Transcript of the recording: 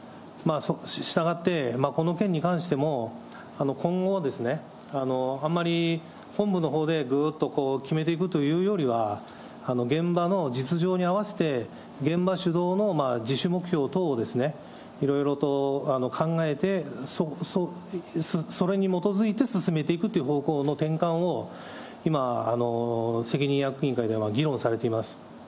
したがって、この件に関しても、今後はあんまり本部のほうでぐっと決めていくというよりは、現場の実情に合わせて、現場主導の自主目標等をですね、いろいろと考えて、それに基づいて進めていくという方向の転換を、今、責任役員会では議論されています。